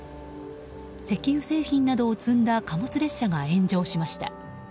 石油製品などを積んだ貨物列車が炎上しました。